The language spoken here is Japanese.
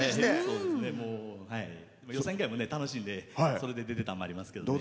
予選会も楽しいんでそれで出てたんもありますけどね。